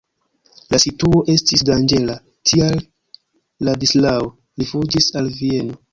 La situo estis danĝera, tial Ladislao rifuĝis al Vieno.